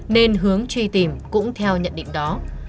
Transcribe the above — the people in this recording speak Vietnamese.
nên hướng truy tìm cũng theo nhận định đó